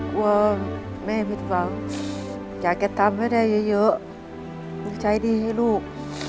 กลัวแม่ผิดหวังอยากจะทำให้ได้เยอะใช้หนี้ให้ลูก